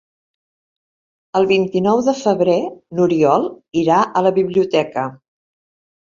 El vint-i-nou de febrer n'Oriol irà a la biblioteca.